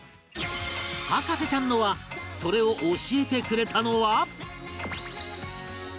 博士ちゃんの輪それを教えてくれたのは